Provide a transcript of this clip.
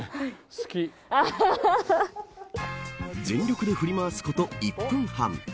全力で振り回すこと１分半。